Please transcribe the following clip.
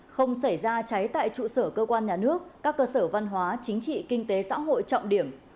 không xảy ra cháy tại trụ sở cơ quan nhà nước các cơ sở văn hóa chính trị kinh tế xã hội trọng điểm